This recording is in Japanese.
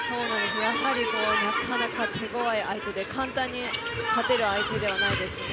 やはりなかなか手ごわい相手で簡単に勝てる相手ではないですね。